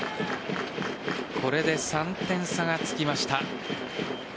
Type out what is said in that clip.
これで３点差がつきました。